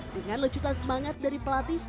dengan lecutan semangat dari pelatih